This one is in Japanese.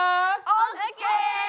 ＯＫ！